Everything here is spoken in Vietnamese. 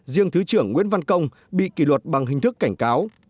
riêng thứ trưởng nguyễn văn công bị kỷ luật bằng hình thức cảnh cáo